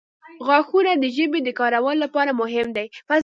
• غاښونه د ژبې د کارولو لپاره مهم دي.